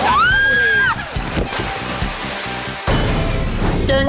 จันทร์ฮะมุรี